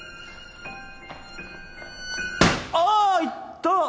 あいった！